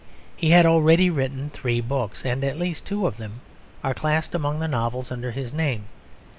He had already written three books; and at least two of them are classed among the novels under his name.